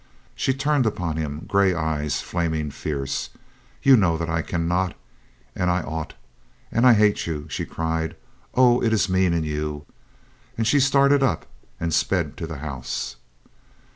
She turned upon him, gray eyes flaming fierce. "You know that I can not! And I ought! And I hate you !" she cried. "Oh, it is mean in you !" and she started up and sped to the house.